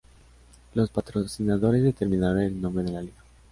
Los patrocinadores determinaron el nombre de la Liga.